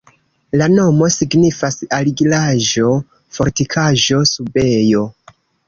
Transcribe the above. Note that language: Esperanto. La nomo signifas: argilaĵo-fortikaĵo-subejo.